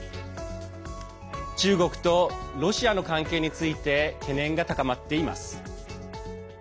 中国とロシアの関係について懸念が高まっています。